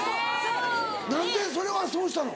何でそれはそうしたの？